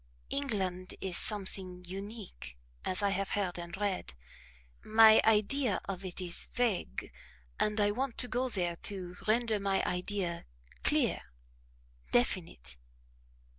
"England is something unique, as I have heard and read; my idea of it is vague, and I want to go there to render my idea clear, definite."